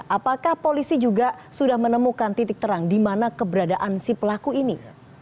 apakah polisi juga sudah menemukan titik terang di mana keberadaan si pelaku ini